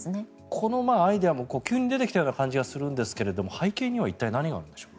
このアイデアも急に出てきた感じがするんですが背景には何があるんでしょうか。